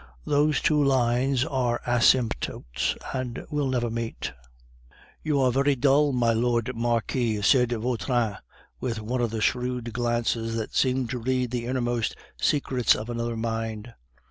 Those two lines are asymptotes, and will never meet. "You are very dull, my lord Marquis," said Vautrin, with one of the shrewd glances that seem to read the innermost secrets of another mind.